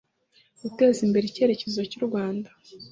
guteza imbere icyerekezo cy u rwanda